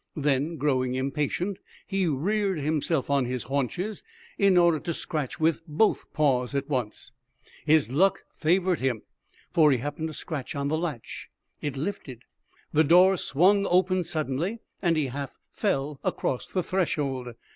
Then, growing impatient, he reared himself on his haunches in order to scratch with both paws at once. His luck favored him, for he happened to scratch on the latch. It lifted, the door swung open suddenly, and he half fell across the threshold.